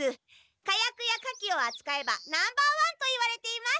火薬や火器をあつかえばナンバーワンといわれています。